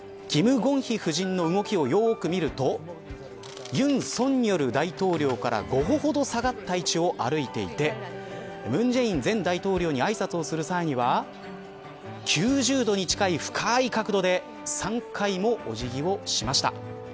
金建希夫人の動きをよく見ると尹錫悦大統領から５歩ほど下がった位置を歩いていて文在寅前大統領にあいさつをする際には９０度に近い深い角度で３回もお辞儀をしました。